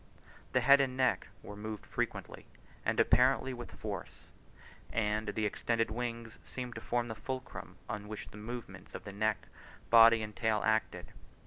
The head and neck were moved frequently, and apparently with force; and the extended wings seemed to form the fulcrum on which the movements of the neck, body, and tail acted.